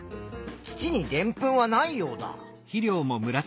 土にでんぷんはないようだ。